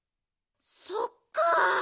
そっかあ。